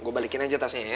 gue balikin aja tasnya ya